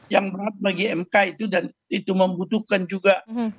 yang berat bagi mk itu dan itu membutuhkan juga